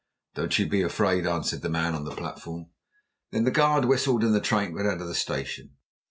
'Don't you be afraid,' answered the man on the platform. Then the guard whistled, and the train went out of the station.